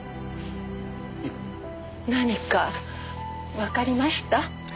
何かわかりました？